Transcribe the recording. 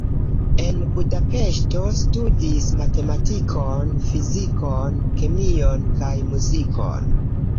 En Budapeŝto studis matematikon, fizikon, kemion kaj muzikon.